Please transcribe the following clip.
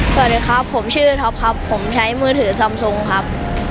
สวัสดีครับผมชื่อท็อปครับผมใช้มือถือซอมทรงครับ